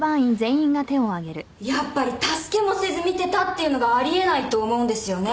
やっぱり助けもせず見てたっていうのがあり得ないと思うんですよね。